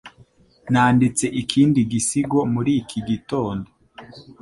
Nanditse ikindi gisigo muri iki gitondo